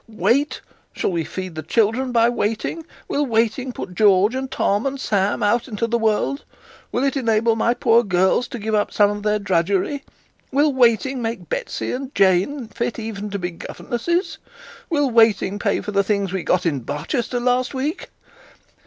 'Wait! Shall we feed the children by waiting? Will waiting put George and Tom, and Sam, out into the world? Will it enable my poor girls to give up some of their drudgery? Will waiting make Bessy and Jane fit even to be governesses? Will waiting pay for the things we got in Barchester last week?'